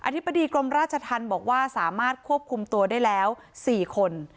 ธิบดีกรมราชธรรมบอกว่าสามารถควบคุมตัวได้แล้ว๔คน